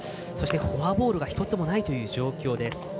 フォアボールは１つもないという状況です。